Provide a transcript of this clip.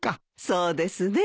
そうですね。